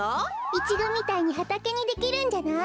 イチゴみたいにはたけにできるんじゃない？